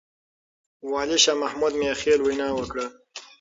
والي شاه محمود مياخيل وينا وکړه.